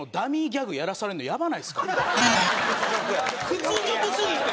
屈辱すぎて。